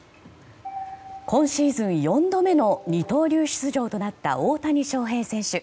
今シーズン４度目の二刀流出場となった大谷翔平選手。